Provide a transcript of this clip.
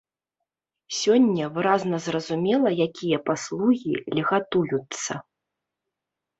Сёння выразна зразумела, якія паслугі льгатуюцца.